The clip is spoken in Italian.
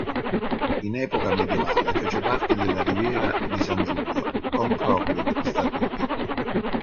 In epoca medievale fece parte della Riviera di San Giulio con propri statuti.